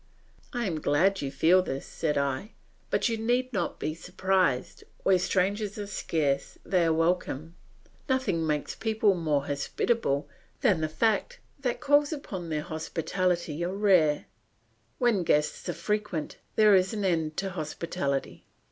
"I am glad you feel this," said I, "but you need not be surprised; where strangers are scarce, they are welcome; nothing makes people more hospitable than the fact that calls upon their hospitality are rare; when guests are frequent there is an end to hospitality.